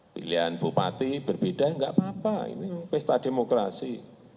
pilihan bupati berbeda enggak apa apa ini pesta demokrasi